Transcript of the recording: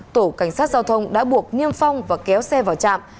tổ cảnh sát giao thông đã buộc niêm phong và kéo xe vào trạm